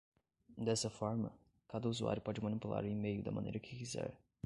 Dessa forma, cada usuário pode manipular o email da maneira que quiser.